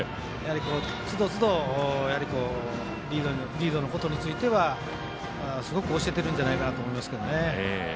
つどつどリードのことについてはすごく教えてるんじゃないかと思います。